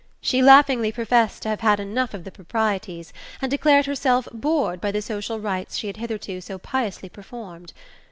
She laughingly professed to have had enough of the proprieties, and declared herself bored by the social rites she had hitherto so piously performed.